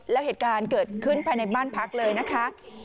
แล้วเหตุการณ์เกิดขึ้นภายในบ้านพักเลยนะคะ